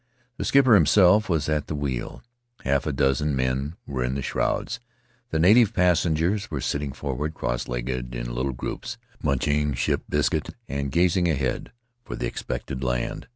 The skipper himself was at the wheel; half a dozen men were in the shrouds; the native pas sengers were sitting forward, cross legged in little groups, munching ship's biscuit and gazing ahead for the expected land.